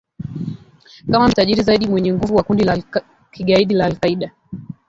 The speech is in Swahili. kama mshirika tajiri zaidi na mwenye nguvu wa kundi la kigaidi la al-Qaida